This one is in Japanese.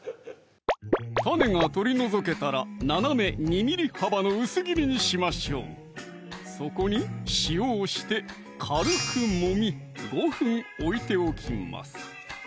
種が取り除けたら斜め２ｍｍ幅の薄切りにしましょうそこに塩をして軽くもみ５分置いておきます